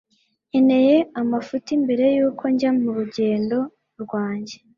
Nkeneye amafuti mbere yuko njya murugendo rwanjye